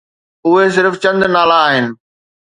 اهي صرف چند نالا آهن.